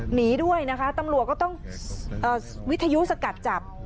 หนีด้วยนะคะตำรวจก็ต้องวิทยุสกัดจับ